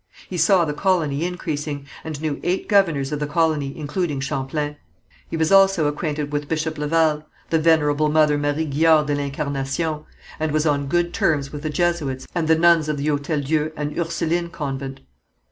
He saw the colony increasing, and knew eight governors of the colony, including Champlain. He was also acquainted with Bishop Laval, the Venerable Mother Marie Guyart de l'Incarnation, and was on good terms with the Jesuits and the nuns of the Hôtel Dieu and Ursuline Convent.